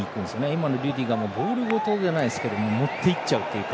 今のリュディガーもボールごとじゃないですが持っていっちゃうという。